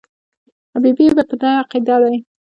حبیبي په دې عقیده دی.